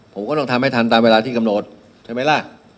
ผมก็ต้องทำให้ทันตามเวลาที่กำหนดใช่ไหมล่ะ